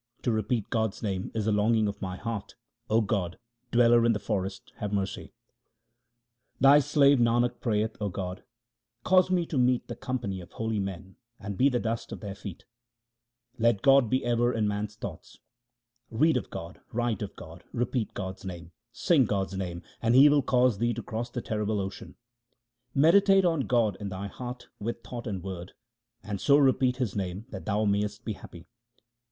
To repeat God's name is the longing of my heart : O God, Dweller in the forest, have mercy. 1 Also translated — Accept as good. 326 THE SIKH RELIGION Thy slave Nanak prayeth — O God, cause me to meet the company of holy men and be the dust of their feet. Let God be ever in man's thoughts :— Read of God, write of God, repeat God's name, sing God's name, and He will cause thee to cross the terrible ocean. Meditate on God in thy heart with thought and word, and so repeat His name that thou mayest be happy.